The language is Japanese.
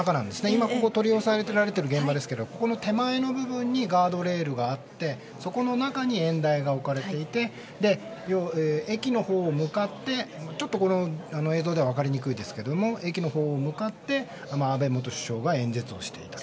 今、ここ取り押さえられてる現場ですけどこの手前の部分にガードレールがあってそこの中に演台が置かれていて駅のほうに向かってちょっとこの映像では分かりにくいですけど駅のほうへ向かって安倍元首相が演説をしていた。